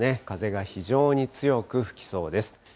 風が非常に強く吹きそうです。